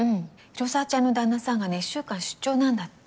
広沢ちゃんの旦那さんがね１週間出張なんだって。